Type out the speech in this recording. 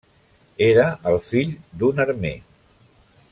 Era el fill d’un armer.